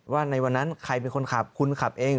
ว่าในวันนั้นใครเป็นคนขับคุณขับเอง